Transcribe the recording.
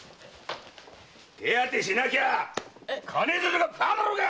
手当てしなきゃ金づるがパアだろうが‼